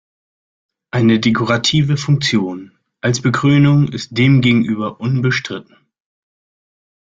Eine dekorative Funktion als Bekrönung ist demgegenüber unbestritten.